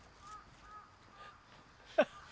ハハハ！